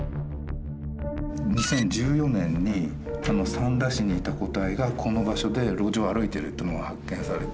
２０１４年に三田市にいた個体がこの場所で路上を歩いてるっていうのが発見されて。